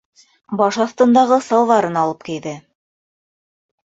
Баш аҫтындағы салбарын алып кейҙе.